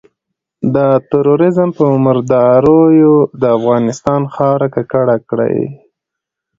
د ترورېزم په مرداریو د افغانستان خاوره ککړه کړي.